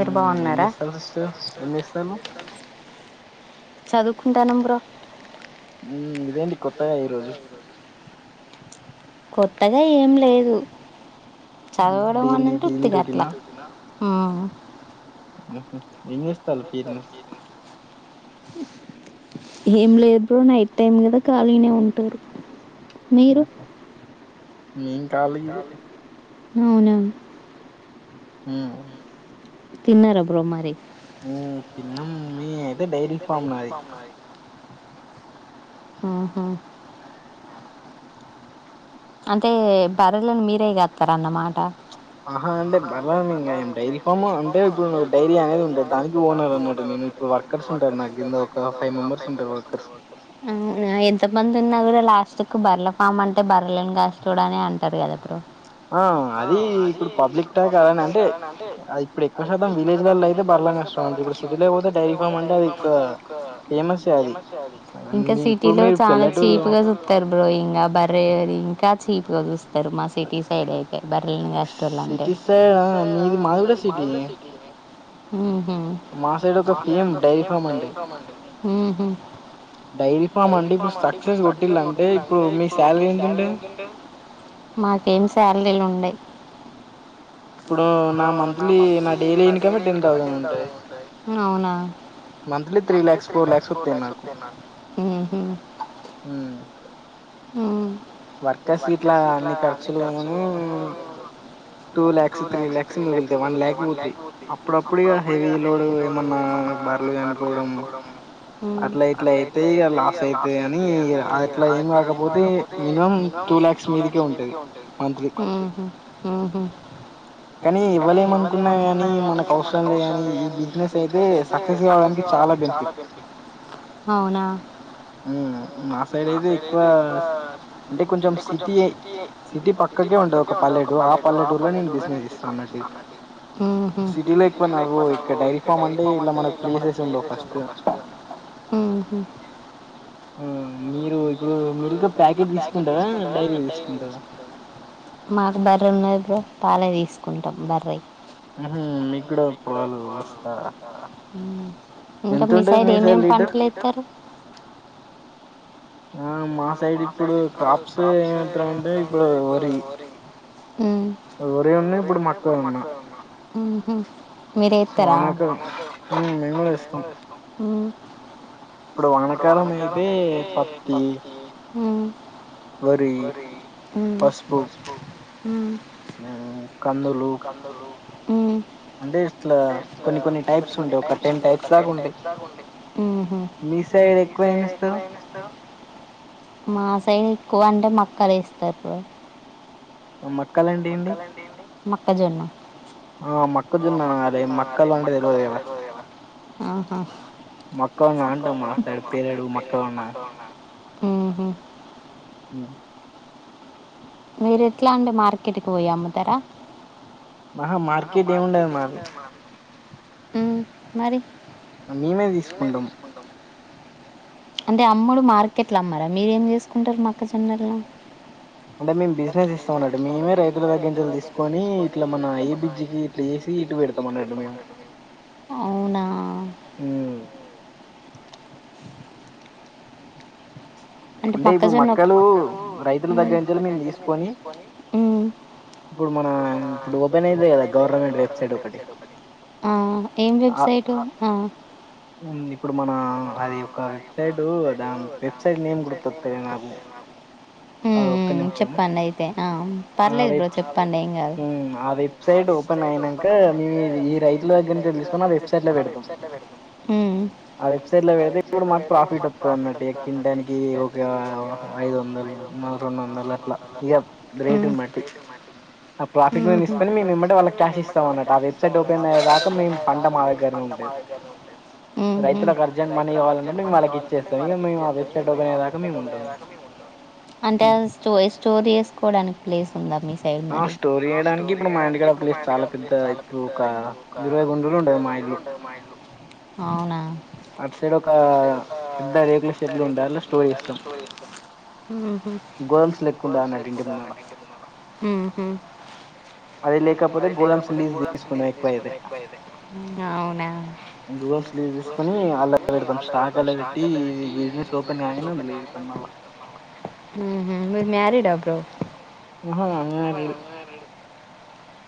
మ్ ఏంజేస్తలు ఫస్టు ఏం ఎంజేస్తలు చదువుకుంటన్నాం బ్రో ఉ ఇదేంటి కొత్తగా ఈరోజు కొత్తగా ఏం లేదు చదవడం అన్నంటే ఉత్తిగా అట్లా ఉ ఎంజేస్తాల్లు పీర్నిస్ ఏం లేదు బ్రో నైట్ టైం కదా ఖాళీనే ఉంటారు మీరు మేం కాళియే అవునా ఉ ఉ తిన్నారా బ్రో మరి ఆ తిన్నాం మీ ఐతే డైరీ ఫామ్ నాది ఆహా అంటే బరేలను మీరే కాత్తరన్నమాట ఆహా అంటే బర్ల నేంకాయం డైరీ ఫామ్ అంటే ఇప్పుడు డైరీ అనేది ఉంటది దానికి ఓనర్ అన్న ఉ ఎంత మంది ఉన్నా కూడా లా స్ట్ కు బర్ల ఫామ్ అంటే బర్రెలను గాసేటోడనే అంటరు కదా బ్రో ఆ అది ఇప్పుడు పబ్లిక్ టై కదండి అంటే ఇప్పుడు ఎక్కువ శాతం విలేజ్ ఇంకాసే సిటీలో చానా చీప్ గా జూత్తరు బ్రో ఇంగ బర్రె అది ఇంకా చీప్ గా జూస్తరు మా సిటీ సైడ్ అయి తే బర్రెలన్ కాశేటోల్ అంటే ఉ మ్ ఉహు డైరీ ఫామండి ఇప్పుడు సక్సెస్ కొట్టిళ్లంటే ఇప్పుడు మీ శాలరీ ఎంతుంటది మాకేం శాలరీలు ఉండయ్ అవునా ఉహు ఉ వర్కస్ గిట్ల అన్ని ఖర్చులు వోనూ టూ ల్యాక్సు త్రీ ల్యాక్సు మిగుళ్తయ్ వన్ ల్యాక్ వోతయ్ అప్పుడప్పుడిగా హెవీ లోడు ఏమన్నా బర్లు జనిపోడం అట్ల ఇట్ల అయితే ఇగ లాస్ అయితయనీ ఇ అట్ల ఏంగాకపోతే ఉహు ఉహు కానీ ఎవలేమనుకున్నా గాని మనకవసరం లేగాని ఇటొచ్చినట్టాయితే సక్సెస్ చాలా బెన్ఫిట్ అవ్నా అంటే కొంచెం సిటీ ఇంటి పక్కకే ఉంటదొక పల్లెటూ ఆ పల్లెటూర్లనే నేన్ ఉహు ఉహు ఆ మీరు ఇపుడు మీల్కు ప్యాకెట్ తీస్ మాకు బర్రెలు ఉన్నయ్ బ్రో పాలే దీస్ స్కుంటాం బర్రై ఉ ఇంక మీ సైడ్ ఏమేం పంటలేత్తరు ఆ మా సైడ్ ఇప్పుడు క్రాప్స్ ఏమెత్తరంటే ఇప్పుడు వరి ఎవరి ఉన్నయ్ ఇప్పుడు మక్కే ఉన్నా ఉహు మీరేత్తరా ఉ వెనకాల అయితే పత్తి ఉమ్ వరి పసుపు ఉమ్ ఆ కందులు ఉమ్ అంటే ఇట్ల కొన్ని కొన్ని టైప్స్ ఉంటయి ఒక టెన్ టైప్స్ దాక ఉంటయి మీ సైడ్ ఎక్కువ ఏం ఏస్తరు మాసైడ్ ఎక్కువ అంటే మక్కలు ఏస్తరు బ్రో మక్కలంటే ఏంటి మక్కజొన్నా ఆ మక్క జొన్నా అదే మక్కలంటె తెలవదు కద ఆహా మక్క ఉందా మాంట [unintelligible] ఉ మీరెట్లా అండి మార్కెట్కి పోయ్యి అమ్ముతరా అహా మార్కెట్ ఏముండదు మాది ఉమ్ మరి మేమే తీసుకుంటాం అంటే అమ్ముడు మార్కెట్ల అమ్మరా మీరేం చేసుకుంటరు మక్కజొన్నల అంటే మేము బిజినెస్ చేస్తం అన్నట్టు మేమే రైతుల దగ్గరనుంచి ఎల్లి తీసుకొని ఇట్ల మన ఏ బిజికి ఇట్ల ఏసీ తీ ఇటు పెడుతామన్నట్టు మేము అవునా ఊ అంటే ఇప్పుడు మక్కలు రైతుల దగ్గరనుంచెల్లి మేము తీసుకొని ఇప్పుడు మన ఇప్పుడు ఓపెన్ అయింది కదా గవర్నమెంట్ వెబ్సైట్ ఒకటి ఆ ఏం వెబ్సైట్ ఆ అన్ని ఇప్పుడు మన అది ఒక వెబ్సైటు దాన్ వెబ్సైట్ నేమ్ గుర్తొత్త నాకు ఉమ్ ఉమ్ చెప్పండయితే ఆ పర్లేదు బ్రో చెప్పండి ఏం కాదు ఆ వెబ్సైటు ఓపెన్ అయితే ఈ రైతుల దగ్గర నుంచి తెల్సుకున్న వెబ్సైట్ల పెడతున్న ఉ ఇట్ల పెడితే ఇప్పుడు మాకు ప్రాఫిట్ వస్తది అన్నట్టు ఇగ కింటాల్కి ఒక ఐదు వంద మూ రెండు వందలు అట్ల ఇగ రేటునుబట్టి ఆ ప్రఫిట్ మీద తీసుకుని ఎంమ్మటే వాళ్ళ క్యాష్ ఇస్తాం అన్నట ఆ వెబ్సైట్ ఓపెనయ్యేదాక మేం పంట మా దగ్గర నే ఉహు రైతులకు అర్జెంటు మనీ కావాలంటే మేం వాళ్ళకి ఇచ్చేస్తాం ఇగ మేం [unintelligible] పోయేదాకా మేం ఉంటాం అంటే అది స్ట్వేయ్ స్టోర్ ఏసుకోవడానికి ప్లేస్ ఉందా మీ సైడ్ మరి ఆ స్టోర్ చేయడానికి ఇప్పుడు మా ఇంటి కాడ ప్లేస్ చాల పెద్దగ ఇపుడు ఒక అ ఇరవై గుంటలు ఉంటది మా ఇల్లు అవునా ఇక్కడ ఒక పెద్ద రేకుల షెడ్లు ఉంటై అన్ని స్టోర్ చేస్తాం ఉహు గోదామ్స్ గోదామ్స్ లెక్క వుంటాయ్ అన్నట్టు ఇంక [unintelligible] ఉహు అది లేకపోతే గోదామ్స్ లీజుకుందు ఎక్కువైతే అవునా యువస్ లీవ్ తీసుకొని ఆల్ లవడతాం స్టాక్ అల్ల పెట్టి బిజినెస్ ఓపెన్ కంగానే అందులో పెడతాం మల్ల ఉహు మీరు మ్యరిడ్ ఆ బ్రో ఆహా అన్ మ్యారీడ్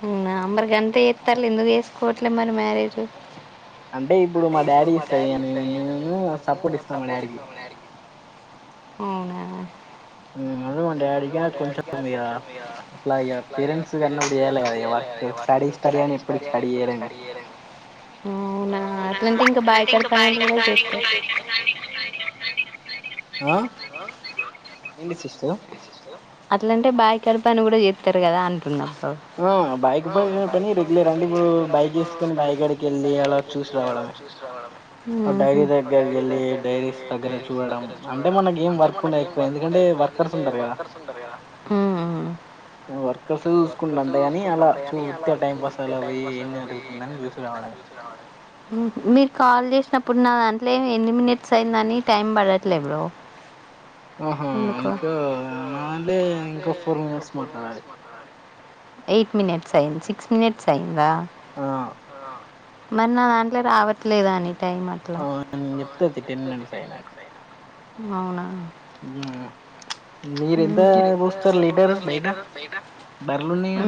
అవునా మరి గంతే చేత్తలు ఎందుకు చేసుకోట్లే మరి మ్యారేజు అంటే ఇప్పుడు మా డాడీ సయి అని దయ నేను సపోర్ట్ ఇస్తం మా డాడీ కి అవునా కొ మా డాడిక కొంచెం ఇగ ఇట్లా పేరెంట్స్ కి అన్నం చేయాలి ఉంటదిగా వన్ టూ స్టడీ స్టడీ ఎప్పుడు స్టడీ యే ఆ అవునా అట్లంటే ఇంకా బాయ్ కడి బాయ్ కాడి పనులు కూడా జేతం [unintelligible] ఏంది సిస్టరు అట్లంటే బాయ్ కాడ పని గూడా జేత్తరు గాదా అంటున్న హ్ [unintelligible] చూసి రావడం ఉహు డైరీ దగ్గరకి వెళ్ళి డైరీస్ దగ్గర చూడడం, అంటే మనకు ఏం వర్క్ ఉం ఎందుకంటే వర్కర్స్ ఉంటారు గదా ఉహు వర్కర్స్సు చూసుకుంట అంతే గాని అలా ఇంక టైంపాస్ అవి చూసిన ఉ మీరు కాల్ జేసినప్పుడు నా దాంట్ల ఏం ఎన్ని మినట్స్ అయిందని టైం పడట్లే బ్రో. ఉహు ఇంకా నా దంట్లే ఇంకా ఫోర్ మినట్స్ మాట్లాడాలి. ఎయిట్ మినట్స్ అయింది సిక్స్ మినట్స్ అయిందా? ఆ మరి నా దాంట్ల రావట్లేదని టైం అట్లా అవునా హుమ్ ప్చ్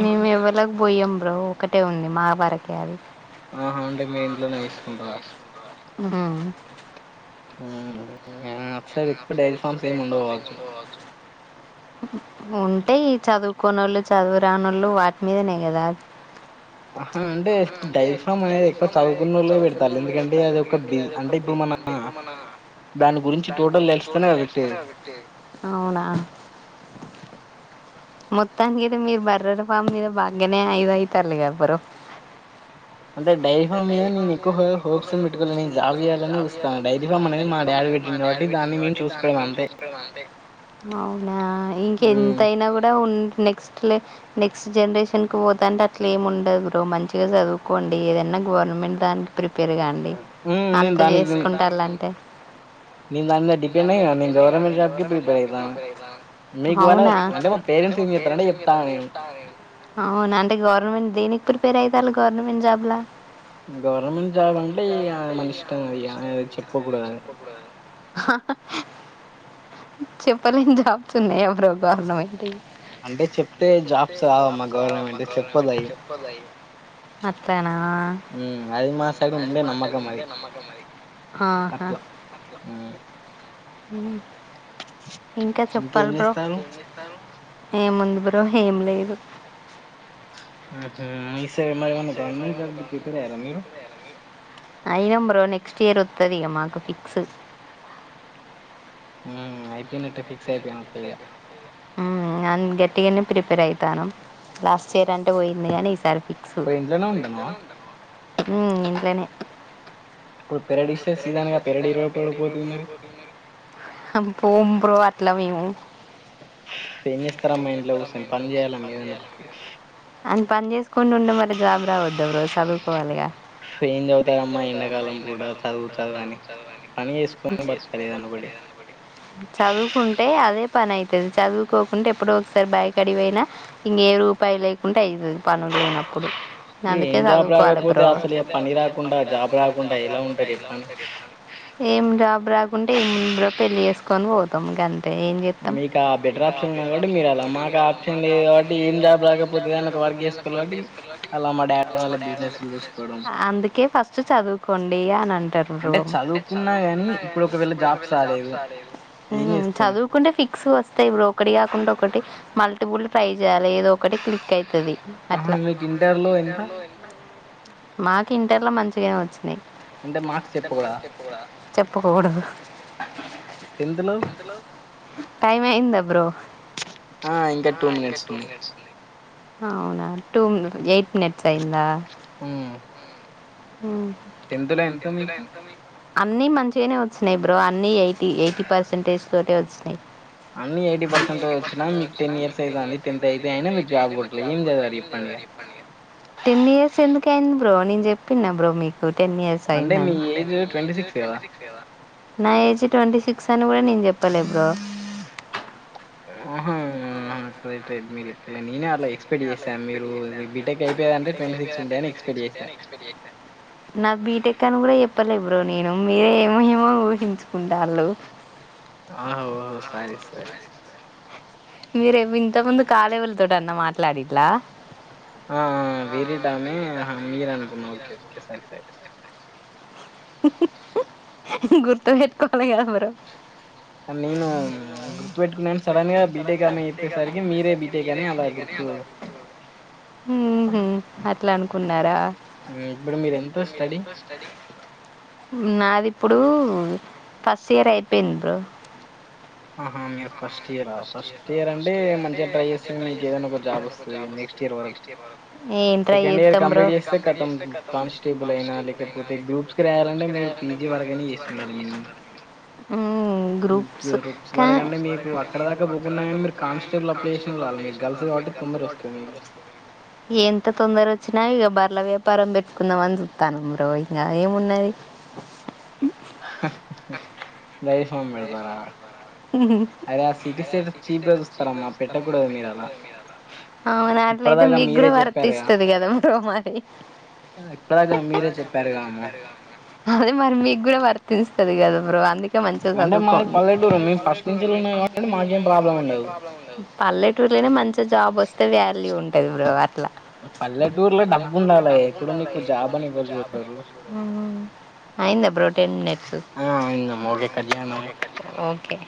మేమ్మర్వాళ్లకి పొయ్యం బ్రో ఒకటే ఉంది మా వరకే అది. ఆహ అంటే మీ ఇంట్లలా వేసుకుంటార? ఊహు మ్హు ఇంగ అటుసైడ్ డైరీ ఫార్మ్స్ ఏం ఉండాయి వర్క్స్ లో. ఉంటాయ్ చదువుకోనోళ్లక్ చదువు రానోల్లు వాటి మీదనే గదా అహా అంటే ఇప్పు డైరీ ఫామ్ అనేది ఎక్కువ చదువుకున్నోళ్ళే పెడ్తలే. ఎందుకంటే అది ఒక బి అంటే ఇప్పుడు మా అంటే ఇప్పుడు మన దాని గురించి టోటల్ తెల్ టోటల్ తెలుస్తానే అవిటిన్ అవునా మొత్తానికి అయితే మీ బర్రెల ఫామ్ మీద బాగనే ఐదయితలిక బ్రో అంటే డైరీ ఫామ్ మీద నేను ఎక్కువ మీద హోప్స్ పెట్టుకోలేగాని, నేను జాబ్ చేయాలని చూస్తాను. డైరీ ఫామ్ అనేది మా డాడీ పెట్టింది కాబట్టి దా పెట్టింది కాబట్టి దాని నేన్ చూసుకుంటాను అంతే అవునా ఇంకేంతైనా గూడా ఉ నెక్స్ట్లే నెక్స్ట్ జనరేషన్ క పోతంటే అట్లా ఏమి ఉండదు బ్రో మంచిగా చదువుకోండి ఏదన్నా. గవర్నమెంట్ దానికి ప్రిపేర్ గాండి అంత చేసుకుంటారులంటే గవర్నమెంట్ జాబ్ కే ప్రిపేర్ అయితా అవునా అంటే మా పేరెంట్స్ చూనితారంటే చెప్పతాను అవును అంటే గవర్నమెంట్ దేనికి ప్రిపేర్ అయి టల్ గవర్నమెంట్ జాబ్ లా గవర్నమెంట్ జాబ్ అంటే ఇగ మన ఇష్టం అది య అ చెప్పకూడదు అది ఆహ్ హా చెప్పలేని జాబ్స్ ఉన్నాయ బ్రో గవర్నమెంటి జాబ్స్ ఆ మా గవర్నమెంట్ చెప్పొద్దు అయి అంతేనా హ మ్ అది మాట మీద ఉండే నమ్మకం అది ఆహా హు ఉమ్ ఇంకా చెప్పాలి బ్రో ఏముంది బ్రో ఏం లేదు ఊహు ఈ సారి మరేమన్నా గవర్నమెంట్ జాబ్ కి ప్రిపేర్ అయ్యారా మీరు అయినం బ్రో నెక్స్ట్ ఇయర్ ఒత్తదికమాకు ఫిక్స్ ఇనటపి మ్ గన్ గట్టిగానే ప్రిపేర్ ప్రిపేర్ అవుతాను లాస్ట్ ఇయర్ అపుడు అంతే పోయింది కాని ఈసారి ఫిక్స్ మ్ ఇంట్లోనే [unintelligible] హమ్ పోం బ్రో అట్లా మేము ఎం చేస్తామ్మా ఇంట్ల కూర్సొని పని చేయ్యాలమ్మ ఏదనా ఒకటి అంతా ఆని పని చేసుకుంటూ ఉండే మరి జాబ్ రావద్దదు బ్రో చదువుకోవాలిగా ఇంట్ల ఉంటే ఏం చదువుతరమ్మ ఎండాకాలం కూడా చదువు చదువు అని పెళ్లి చేసుకో చదువుకుంటే అదే పని ఐతది చదువుకోకుంట ఎప్పుడొ ఒకసారి బాయ్ కాడికి ఓయిన ఇంగ ఏ రూపాయి లేకుంటే అయితది పనులు లేనప్పుడు అందుకే చదువుకోవాలి బ్రో ఏం జాబ్ రాకుంటే ఏముంది బ్రో పెళ్లి చేసుకొని పోతాం గంతే మీకు ఆ బెటర్ ఆప్షన్ ఉన్నది కాబట్టి మీరు అలా మాకు ఆప్షన్ లేదు కాబట్టి ఏం జాబ్ రాకపోతే ఏదన్నా ఒక వర్క్ చేస్ అందుకే ఫస్ట్ చదువుకోండి ఆని అంటారు బ్రో ఉ చదువుకుంటే ఫీ క్స్ వస్తాయి బ్రో ఒకటి కాకుండా ఒకటి మల్టిపుుల్ ట్రై చేయాలి ఏదో ఒకటి క్లిక్ అయితది అట్లా మాకు ఇంటర్ల మంచిగనే వచ్చినయ్ చెప్పుకూడదు ఎందులో టైం అయిందా బ్రో ఆ ఇంకా టు మినిట్స్ ఉంది అవునా టూ మి ఎయిట్ మినిట్స్ అయ్యందా మ్ అన్నీ మంచిగనే వచ్ ఉన్నాయి బ్రో అన్ని ఎయిటీ ఎయిటీ పర్సెంటేజ్ తోటే వచ్చినయ్ అన్ని ఎయిటీ పర్సెంట్ తో వచ్చిన మీక్ టెన్ ఇయర్స్ ఐతంది టెన్త్ ఐపోయింది మీర్ జాబ్ కోట్లే ఏం చ టెన్ ఇయర్స్ ఎందుకు అయింది బ్రో నేను చెప్పిన్నా బ్రో మీకు టెన్ ఇయర్స్ అయిందని అంటే మీ ఏజ్ ట్వంటీ సిక్స్ కదా నా ఏజ్ ట్వంటీ సిక్స్ అని కూడా నేను చెప్పలే బ్రో కరెక్ట్ ఏ మీరు చెప్పలే నేనే అట్ల ఎక్స నేనే అట్ల ఎక్స్పెక్ట్ చేసను మీరు బీటెక్ అయిపోయింది అంటే ట్వంటీ సిక్స్ వుంటాయని ఎక్స్పెక్ట్ చేసిన నాది బీటెక్ అని కూడా చెప్పలే బ్రో నేను మీరే ఏమో ఏమో ఊహించుకుంటళ్ళు ఆహ్ ఓ సారీ సారీ మీరేమో ఇంత ముందుకు కాలేవులతోటన్న మాట్లాడిండ్ల ఆ వేరిటమే ఆహా మీరా అనుకున్నా ఓకే ఓకే సరే సరే గుర్తుపెట్టుకోవాలి గా బ్రో సడన్ గా బీటెక్ ఆమె చెప్పేసరికి మీరే బీటేక్ అని అలా గుర్తు ఊహు అట్ల అనుకున్నరా నాది ఇపుడు ఫస్ట్ ఇయర్ అయిపోయింది బ్రో అహ మీరు first year first first year అంటే మంచిగా ట్రై చేస్తే మీకు ఏదైనా ఒక జాబ్ వస్తుంది నెక్స్ట్ ఇయర్ వరకు సెకండ్ ఇయర్ కంప్లీట్ చేస్తే కతం కానిస్టేబుల్ అయినా లేకపోతే గ్రూప్స్ కి రాయాలంటే మీరు పీజీ వరకయినా చేస్తుండాలి మినిమం మ్ గ్రూప్స్ క ఉన్నాయా అన్న మీరు కాన్స్టేబుల్ అప్లై చేసిన గర్ల్స్ కాబట్టి తొందర వస్తాయి ఎంత తొందర వచ్చినా ఇంగ బర్ల వ్యాపారం మ్ పెట్టుకుందామని చూత్తానం బ్రో ఇంకా ఏమున్నది డైరీ ఫార్మ్ పెడతారా అరే ఆ సిటీ సైట్ చీపుగా చూస్తారమ్మా పెట్టకూడదు మీరు ఎలా అ హ అవును అట్లయితే మీకు గూడ వర్తిస్తది గదా బ్రో మరి మీరే చెప్పారు గా అదే మరి మీకూడా వర్తిస్తది అది కాదు బ్రో అందుకె మంచిగా చదువుకోండి పల్లెటూర్ల మంచిగా జాబ్ వస్తే వాల్యు ఉంటది బ్రో అట్ల పల్లెటూర్లో డబ్బుండాలి అప్పుడే నికు జాబ్ అనేది బ్రోటీన్ నెఫ్స్ ఓకే